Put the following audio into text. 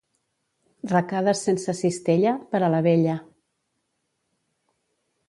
Recades sense cistella, per a la vella.